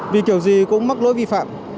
vì kiểu gì cũng mắc lỗi vi phạm